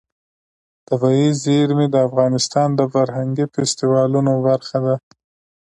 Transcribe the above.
طبیعي زیرمې د افغانستان د فرهنګي فستیوالونو برخه ده.